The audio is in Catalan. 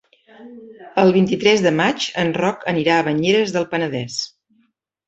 El vint-i-tres de maig en Roc anirà a Banyeres del Penedès.